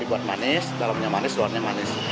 kita buat manis dalamnya manis luarnya manis